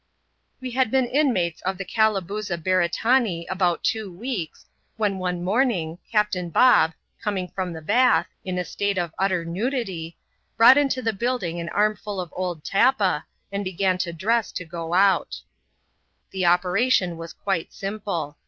We had been inmates of the Calabooza Beretanee about two weeks, when one morning, Captain Bob, coming from the bath, in a state of utter nudity, brought into the building an armful of old tappa, and began to dress to go out. The operation was quite simple.